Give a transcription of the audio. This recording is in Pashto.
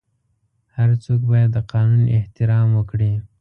هر څوک باید د قانون احترام وکړي.